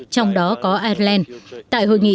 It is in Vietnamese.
trong đó có ireland tại hội nghị